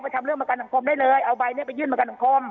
ทำเรื่องประกันสังคมได้เลยเอาใบนี้ไปยื่นประกันสังคม